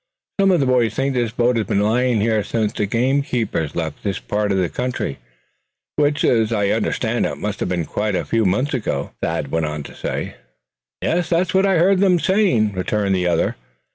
"Some of the boys think this boat has been lying here since the game keepers left this part of the country; which, as I understand it, must have been quite a few months ago?" Thad went on to say. "Yes, that's what I heard them saying," returned the other.